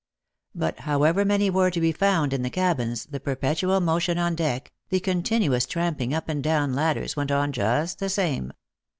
But however many were to be found in the cabins, the per petual motion on deck, the continuous tramping up and down ladders, went on just the same.